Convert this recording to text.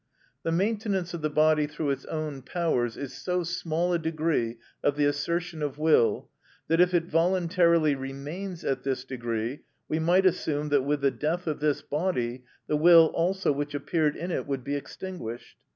The maintenance of the body through its own powers is so small a degree of the assertion of will, that if it voluntarily remains at this degree, we might assume that, with the death of this body, the will also which appeared in it would be extinguished.